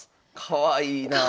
かわいいなあ。